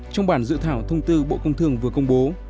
trong bản dự thảo thông tư bộ công thương vừa công bố